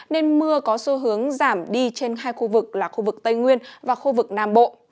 nên mưa có xu hướng giảm đi trên hai khu vực là khu vực tây nguyên và khu vực nam bộ